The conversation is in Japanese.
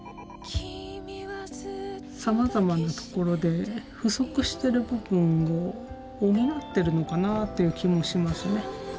さまざまなところで不足している部分を補ってるのかなっていう気もしますね。